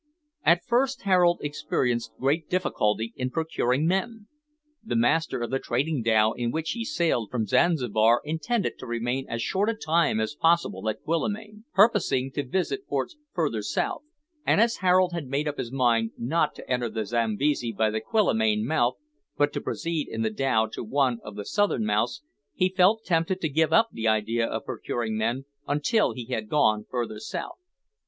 At first Harold experienced great difficulty in procuring men. The master of the trading dhow in which he sailed from Zanzibar intended to remain as short a time as possible at Quillimane, purposing to visit ports further south, and as Harold had made up his mind not to enter the Zambesi by the Quillimane mouth, but to proceed in the dhow to one of the southern mouths, he felt tempted to give up the idea of procuring men until he had gone further south.